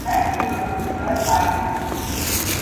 Thus emerged the first party system.